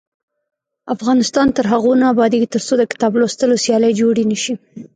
افغانستان تر هغو نه ابادیږي، ترڅو د کتاب لوستلو سیالۍ جوړې نشي.